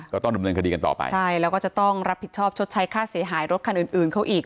ก็ต้องดำเนินคดีกันต่อไปใช่แล้วก็จะต้องรับผิดชอบชดใช้ค่าเสียหายรถคันอื่นอื่นเขาอีก